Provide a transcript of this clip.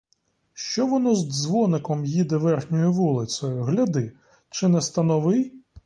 Що воно з дзвоником їде верхньою вулицею, гляди, чи не становий?